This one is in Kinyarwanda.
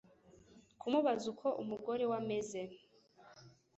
kumubaza uko umugore we ameze